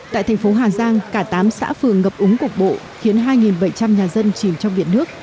tại thành phố hà giang cả tám xã phường ngập úng cục bộ khiến hai bảy trăm linh nhà dân chìm trong biển nước